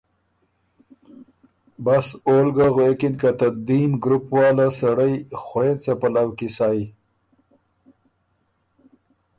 بس او ل ګۀ غوېکِن که ته دیم ګروپ واله سړئ خورېنڅه پلؤ کی سئ